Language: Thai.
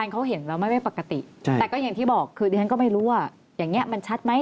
ฉันก็ไม่รู้อย่างนี้มันชัดไหม